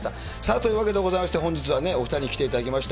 というわけでございまして、本日はお２人に来ていただきました。